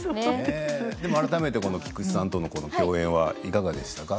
改めて菊池さんとの共演はどうでしたか？